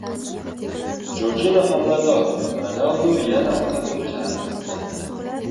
Jorjina homilador! Ronaldu yana ota bo‘lish arafasida